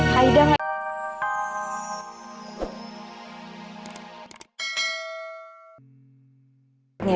hai hai dengan